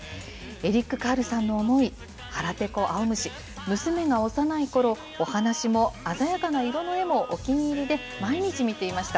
エリック・カールさんの思い、はらぺこあおむし、娘が幼いころ、お話も鮮やかな色の絵もお気に入りで、毎日見ていました。